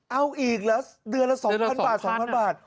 เอาอีกละเดือนละ๒๐๐๐บาท๒๐๐๐บาท